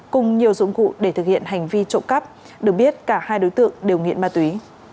cùng nhiều dụng cụ để thực hiện hành vi trộm cắp được biết cả hai đối tượng đều nghiện ma túy